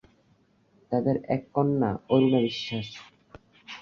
তাদের এক কন্যা অরুণা বিশ্বাস।